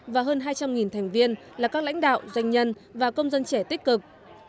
và hơn hai trăm linh thành viên là các lãnh đạo doanh nhân và công dân trẻ tích cực